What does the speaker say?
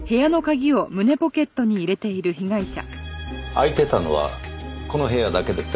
空いてたのはこの部屋だけですか？